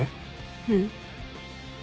うん。